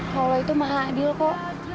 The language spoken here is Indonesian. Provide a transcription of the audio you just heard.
kalau itu mahal adil kok